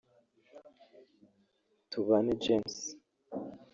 Tubane James